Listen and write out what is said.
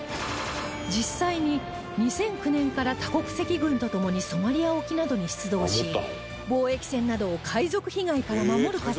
実際に２００９年から他国籍軍と共にソマリア沖などに出動し貿易船などを海賊被害から守る活動も行っています